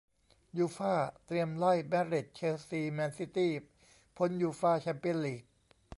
ยูฟ่า เตรียมไล่ มาดริด เชลซี แมนซิตี้ พ้น ยูฟ่า แชมเปี้ยนส์ ลีก